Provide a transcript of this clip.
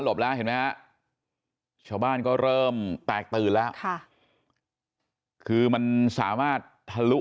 เห็นไหมฮะชาวบ้านก็เริ่มแตกตื่นแล้วค่ะคือมันสามารถทะลุ